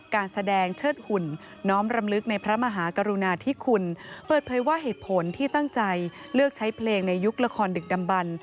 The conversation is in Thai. การแสดงเชิดหุ่นน้อมรำลึกในพระมหากรุณาธิคุณเปิดเผยว่าเหตุผลที่ตั้งใจเลือกใช้เพลงในยุคละครดึกดำบัน